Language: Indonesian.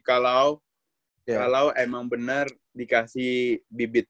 kalau emang benar dikasih bibit